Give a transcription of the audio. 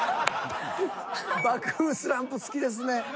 爆風スランプ好きですね。